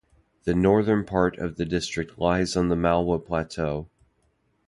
The northern part of the district lies on the Malwa plateau.